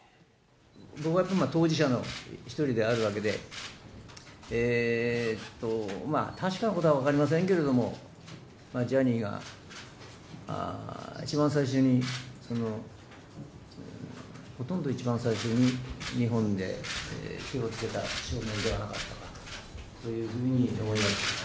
僕は当事者の一人でもあるわけで、確かなことは分かりませんけれども、ジャニーが一番最初に、ほとんど一番最初に日本で手をつけた少年ではなかったかというふうに思います。